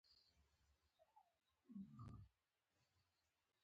پیکورې بیخي له ترخې چکنۍ له ستوني نه ښکته کېږي.